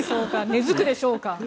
根付くでしょうか。